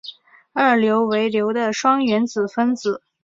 二硫为硫的双原子分子。